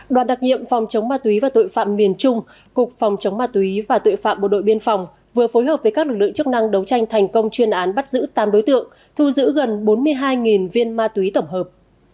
đoàn đặc nhiệm phòng chống ma túy và tội phạm miền trung cục phòng chống ma túy và tội phạm bộ đội biên phòng vừa phối hợp với các lực lượng chức năng đấu tranh thành công chuyên án bắt giữ tám đối tượng thu giữ gần bốn mươi hai viên ma túy tổng hợp